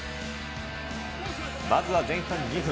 まずは前半２分。